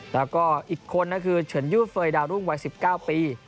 แล้วก็อีกคนก็คือเฉินยูเฟย์ดาวรุ่งวัย๑๙ปี